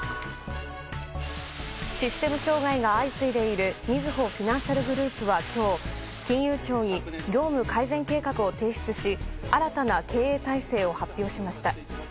システム障害が相次いでいるみずほフィナンシャルグループは今日金融庁に業務改善計画を提出し新たな経営体制を発表しました。